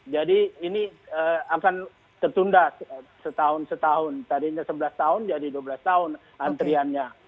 jadi ini akan tertunda setahun setahun tadinya sebelas tahun jadi dua belas tahun antriannya